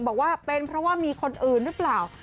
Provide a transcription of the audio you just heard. บอกว่าเป็นเพราะว่ามีคนอื่นหรือเปล่า